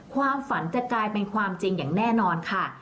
ความฝันจะกลายเป็นความจริงอย่างแน่นอนค่ะ